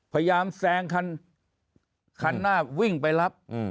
พยายามแซงคันหน้าวิ่งไปรับ